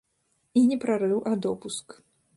І не прарыў, а допуск.